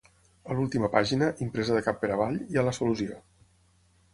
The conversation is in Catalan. A l'última pàgina, impresa de cap per avall, hi ha la solució.